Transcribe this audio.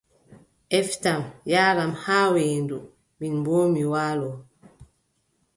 Eftam, yaaram haa weendu, min boo, mi waalo.